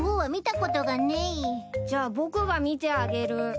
じゃあ僕が見てあげる。